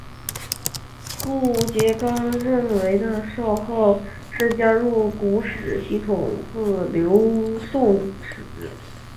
顾颉刚认为的少昊氏加入古史系统自刘歆始。